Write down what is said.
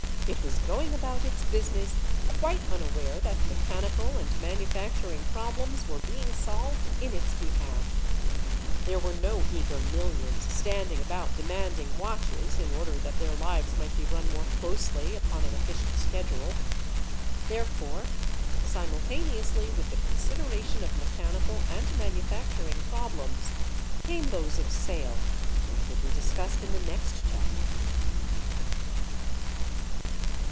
It was going about its business quite unaware that mechanical and manufacturing problems were being solved in its behalf. There were no eager millions standing about demanding watches in order that their lives might be run more closely upon an efficient schedule. Therefore, simultaneously with the consideration of mechanical and manufacturing problems came those of sale, which will be discussed in the next chapter.